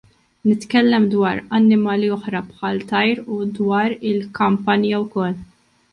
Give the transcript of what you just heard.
Nitkellem dwar annimali oħra bħat-tajr u dwar il-kampanja wkoll!